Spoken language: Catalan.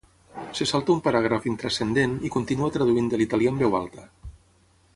Se salta un paràgraf intranscendent i continua traduint de l'italià en veu alta.